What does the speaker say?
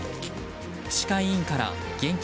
歯科医院から現金